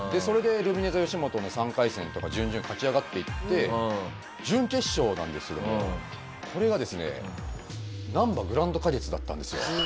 それでルミネｔｈｅよしもとの３回戦とか準々勝ち上がっていって準決勝なんですけどもこれがですねなんばグランド花月だったんですよ。